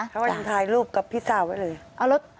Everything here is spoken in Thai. เขาก็ยังถ่ายรูปกับพี่สาวไว้เลย